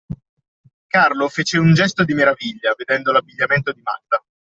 Carlo fece un gesto di meraviglia, vedendo l'abbigliamento di Magda.